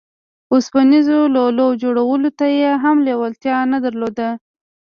اوسپنيزو لولو جوړولو ته يې هم لېوالتيا نه درلوده.